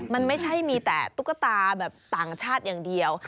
มันไม่ใช่มีแต่ตุ๊กตาแบบต่างชาติอย่างเดียว